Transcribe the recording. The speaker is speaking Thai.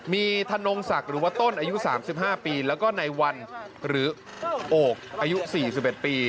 มีทนงศักดิ์หรือว่าต้นอายุสามสิบห้าปีแล้วก็นายวันหรือโอโกอายุสี่สิบเอ็ดปี